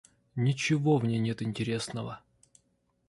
Ничего в ней нет интересного!